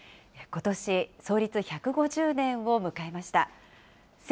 ことし創立１５０年を迎えました。